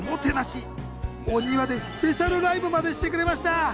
お庭でスペシャルライブまでしてくれました。